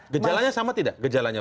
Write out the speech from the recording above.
gejalanya sama tidak